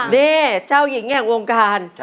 นี่เจ้าหญิงแห่งวงการ